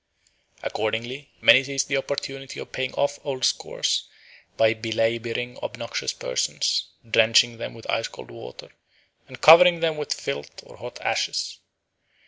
Accordingly, many seized the opportunity of paying off old scores by belabouring obnoxious persons, drenching them with ice cold water, and covering them with filth or hot ashes.